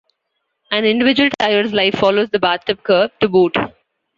An individual tire's life follows the bathtub curve, to boot.